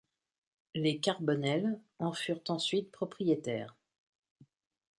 Les Carbonnel en furent ensuite propriétaires.